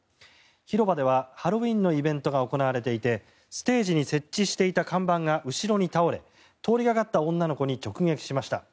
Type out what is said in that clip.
広場ではハロウィーンのイベントが行われていてステージに設置していた看板が後ろに倒れ通りがかった女の子に直撃しました。